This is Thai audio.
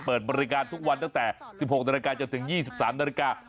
เปิดบริการทุกวันตั้งแต่๑๖นาฬิกาจนถึง๒๓นาฬิกา